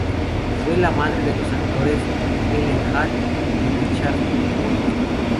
Fue la madre de los actores Ellen Hall y Richard Emory.